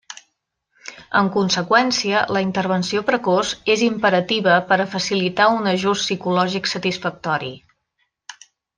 En conseqüència, la intervenció precoç és imperativa per a facilitar un ajust psicològic satisfactori.